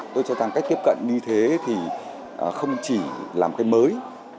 tôi cho rằng cách tiếp cận như thế thì không chỉ làm cái mới